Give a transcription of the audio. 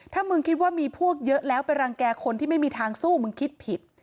ถ้ามึงคิดว่ามีพวกเยอะแล้วไปรังแก่คนที่ไม่มีทางสู้มึงคิดผิด